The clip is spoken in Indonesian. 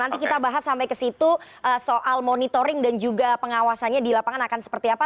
nanti kita bahas sampai ke situ soal monitoring dan juga pengawasannya di lapangan akan seperti apa